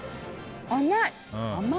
甘い！